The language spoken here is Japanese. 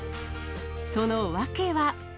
その訳は。